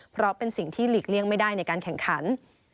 เพราะเป็นสิ่งที่หลีกเลี่ยงไม่ได้ในการแข่งขัน